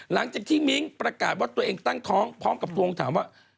หลังจากที่มิ้งประกาศว่าตัวเองตั้งท้องพร้อมกับทวงถามว่า